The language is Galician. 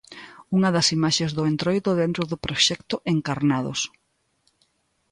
Unha das imaxes do Entroido dentro do proxecto 'Encarnados'.